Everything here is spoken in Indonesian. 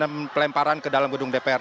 dan pelemparan ke dalam gedung dpr